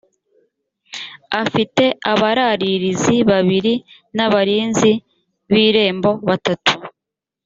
afite abararirizi babiri n’abarinzi b‘irembo batatu